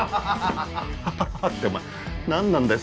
「ハハハ」ってお前何なんだよ